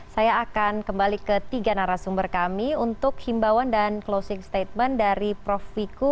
saya akan kembali ke tiga narasumber kami untuk himbawan dan closing statement dari prof wiku